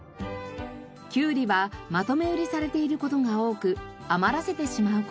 キュウリはまとめ売りされている事が多く余らせてしまう事も。